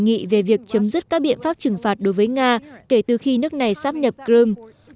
ông trump đã bày tỏ kỳ vọng về việc chấm dứt các biện pháp trừng phạt đối với nga kể từ khi nước này sắp nhập crimea